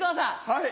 はい。